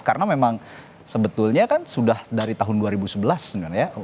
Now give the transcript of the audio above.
karena memang sebetulnya kan sudah dari tahun dua ribu sebelas sebenarnya ya